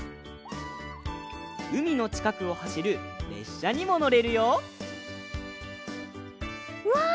うみのちかくをはしるれっしゃにものれるようわ